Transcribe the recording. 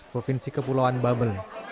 provinsi kepulauan babel